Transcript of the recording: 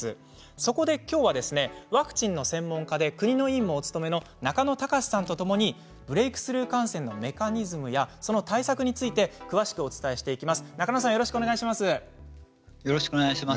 そこできょうはワクチンの専門家で国の委員もお務めの中野貴司さんに伺ってブレークスルー感染のメカニズムや対策について詳しくお伝えしていきます。